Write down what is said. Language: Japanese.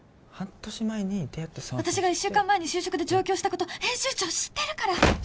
半年前に出会って私が一週間前に就職で上京したこと編集長知ってるから！